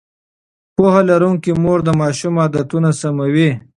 پوهه لرونکې مور د ماشوم عادتونه سموي.